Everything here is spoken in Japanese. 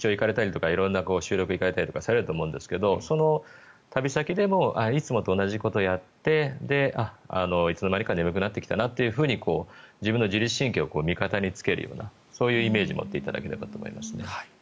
出張に行かれたりとか収録に行かれたりされると思うんですがその旅先でもいつもと同じことをやっていつの間にか眠くなってきたなと自分の自律神経を味方につけるようなそういうイメージを持っていただければと思います。